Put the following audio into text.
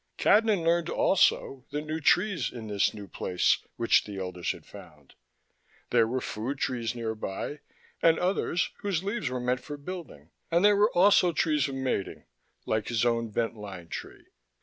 Cadnan learned, also, the new trees in this new place, which the elders had found. There were food trees nearby, and others whose leaves were meant for building, and there were also trees of mating like his own Bent Line Tree.